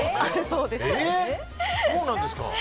そうなんです。